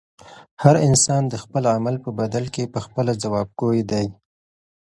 هر انسان د خپل عمل په بدل کې پخپله ځوابګوی دی.